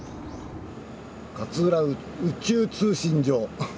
「勝浦宇宙通信所」。